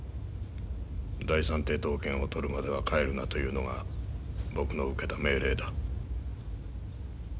第三抵当権を取るまでは帰るなというのが僕の受けた命令だ。